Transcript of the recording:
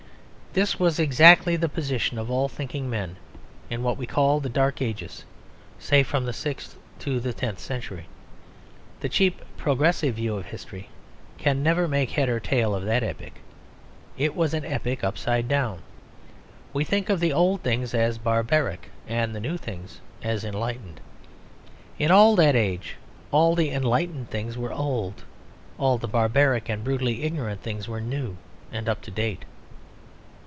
This was exactly the position of all thinking men in what we call the dark ages, say from the sixth to the tenth century. The cheap progressive view of history can never make head or tail of that epoch; it was an epoch upside down. We think of the old things as barbaric and the new things as enlightened. In that age all the enlightened things were old; all the barbaric and brutally ignorant things were new and up to date.